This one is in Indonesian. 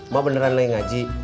ma beneran lagi ngaji